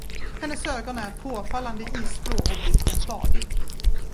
Hennes ögon är påfallande isblå och blicken stadig.